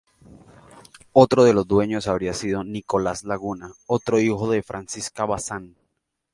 Otro de los dueños habría sido Nicolás Laguna, otro hijo de Francisca Bazán.